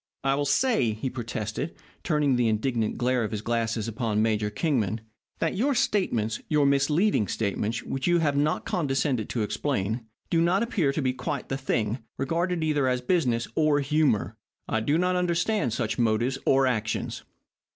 "I will say," he protested, turning the indignant glare of his glasses upon Major Kingman, "that your statements your misleading statements, which you have not condescended to explain do not appear to be quite the thing, regarded either as business or humour. I do not understand such motives or actions."